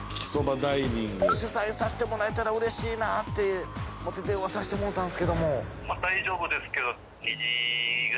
取材さしてもらえたらうれしいなって思って電話させてもうたんですけども。